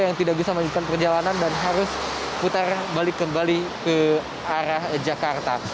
yang tidak bisa melanjutkan perjalanan dan harus putar balik kembali ke arah jakarta